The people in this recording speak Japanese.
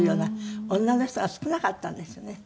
女の人が少なかったんですよね。